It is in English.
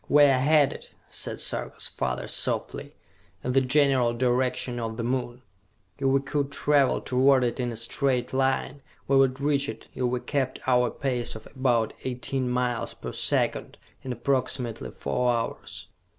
"We are headed," said Sarka's father softly, "in the general direction of the Moon! If we could travel toward it in a straight line, we would reach it, if we kept our pace of about eighteen miles per second, in approximately four hours!